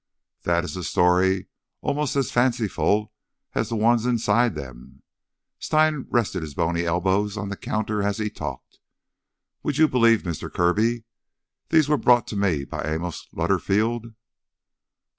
"That is a story almost as fanciful as the ones inside them." Stein rested his bony elbows on the counter as he talked. "Would you believe, Mister Kirby, these were brought to me by Amos Lutterfield?"